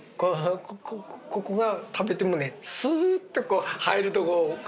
ここが食べてもねスーッと入るところかな。